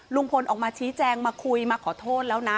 ลุงพลออกมาชี้แจงมาคุยมาขอโทษแล้วนะ